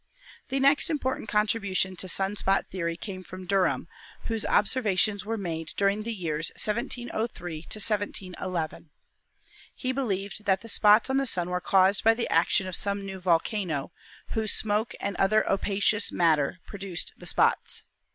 The next important contribution to sun spot theory came from Derham, whose observations were made during the years 1703 1711. He believed that the spots on the Sun were caused by the action of some new volcano, whose smoke and other "opacous matter" produced the spots.